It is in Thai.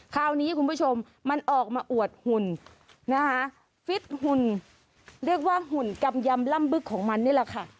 คราวนี้คุณผู้ชมมันออกมาอวดหุ่นนะคะฟิตหุ่นเรียกว่าหุ่นกำยำล่ำบึกของมันนี่แหละค่ะ